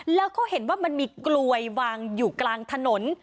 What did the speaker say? แล้วเขาเห็นว่ามันมีกลวยวางอยู่กลางถนน